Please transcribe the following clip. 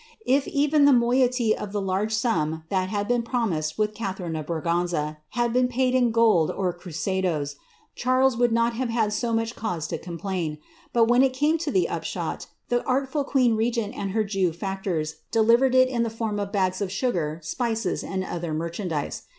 If even the moiety of the large sum that had been promised with Catharine of Braganza had been paid in gold or cruzadoes, Charles would not have had so much came to complain ; but when it came to the upshot, the artful queen regeot and her Jew factors delivered it in the form of bags of sugar, spices, and other merchandise.